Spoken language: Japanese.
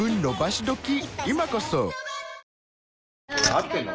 合ってんの？